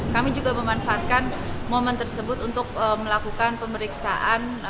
kami juga memanfaatkan momen tersebut untuk melakukan pemeriksaan